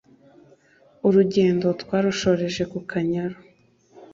urugendo twarushoreje ku kanyaru